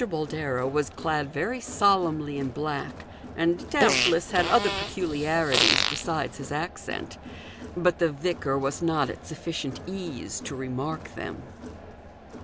Boldero was clad very solemnly in black, and doubtless had other peculiarities besides his accent ; but the vicar was not at sufficient ease to remark them.